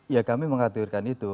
ya kami mengaturkan itu